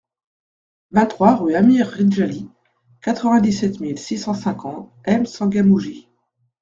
vingt-trois rUE AMIR RIDJALI, quatre-vingt-dix-sept mille six cent cinquante M'Tsangamouji